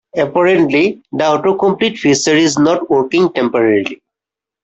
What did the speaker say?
Apparently, the autocomplete feature is not working temporarily.